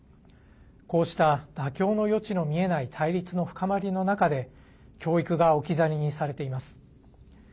こうした、妥協の余地の見えない対立の深まりの中で教育が置き去りにされています。